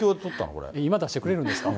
これ今出してくれるんですか。